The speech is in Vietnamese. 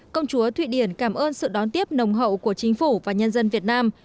công chúa thụy điển cảm ơn sự đón tiếp nồng hậu của chính phủ và nhân dân việt nam